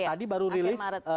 tadi baru release